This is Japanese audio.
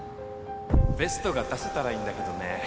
ベストが出せたらいいんだけどね